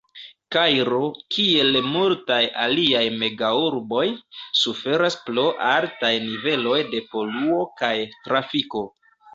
Kairo, kiel multaj aliaj mega-urboj, suferas pro altaj niveloj de poluo kaj trafiko.